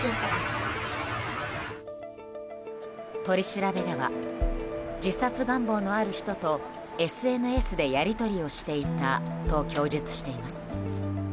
取り調べでは自殺願望のある人とＳＮＳでやり取りをしていたと供述しています。